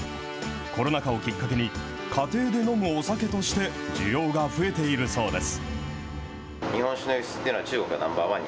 コロナ禍をきっかけに、家庭で飲むお酒として需要が増えているそうです。